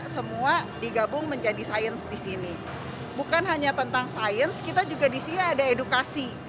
semua digabung menjadi sains di sini bukan hanya tentang sains kita juga disini ada edukasi